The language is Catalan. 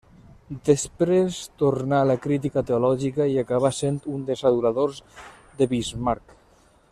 Després tornà a la crítica teològica i acabà sent un dels aduladors de Bismarck.